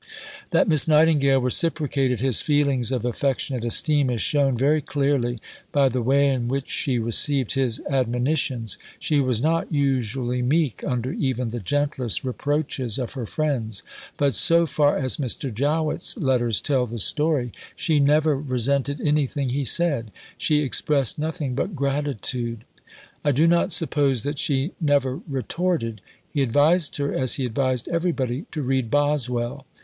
That Miss Nightingale reciprocated his feelings of affectionate esteem is shown very clearly by the way in which she received his admonitions. She was not usually meek under even the gentlest reproaches of her friends; but, so far as Mr. Jowett's letters tell the story, she never resented anything he said; she expressed nothing but gratitude. I do not suppose that she never retorted. He advised her, as he advised everybody, to read Boswell.